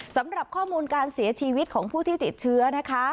สำหรับข้อมูลการเสียชีวิตของผู้ที่ติดเชื้อนะคะ